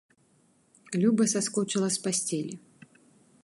Люба саскочыла з пасцелі.